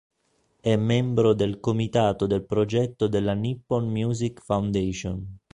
È membro del Comitato del Progetto della "Nippon Music Foundation".